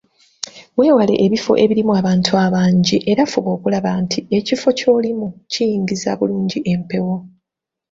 Weewale ebifo ebirimu abantu abangi era fuba okulaba nti ekifo ky’olimu kiyingiza bulungi empewo.